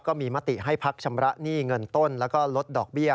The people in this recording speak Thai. มติให้พักชำระหนี้เงินต้นแล้วก็ลดดอกเบี้ย